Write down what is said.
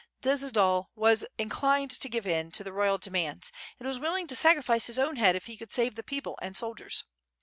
Dziedzial was inclined to give in to the royal demands, and was willing to sacrifice his own head if he could save the people and soldiers.